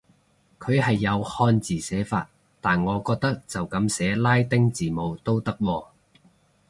佢係有漢字寫法，但我覺得就噉寫拉丁字母都得喎